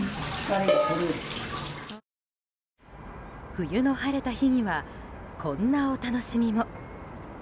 冬の晴れた日にはこんなお楽しみも。